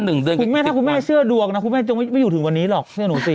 คุณแม่ถ้าคุณแม่เชื่อดวงนะคุณแม่จะไม่อยู่ถึงวันนี้หรอกเชื่อหนูสิ